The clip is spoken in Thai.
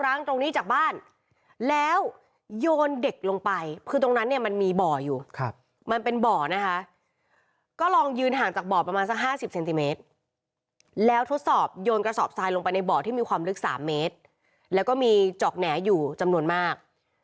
ตรงนี้จากบ้านแล้วโยนเด็กลงไปคือตรงนั้นเนี่ยมันมีบ่ออยู่มันเป็นบ่อนะคะก็ลองยืนห่างจากบ่อประมาณสัก๕๐เซนติเมตรแล้วทดสอบโยนกระสอบทรายลงไปในบ่อที่มีความลึก๓เมตรแล้วก็มีจอกแหน่อยู่จำนวนมาก